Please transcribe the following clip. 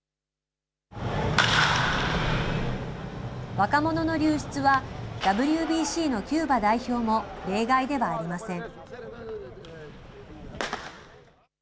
若者の流出は、ＷＢＣのキューバ代表も例外ではありません。